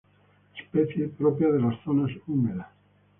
Especie propia de las zonas húmedas.